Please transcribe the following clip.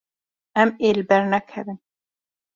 Em ê li ber nekevin.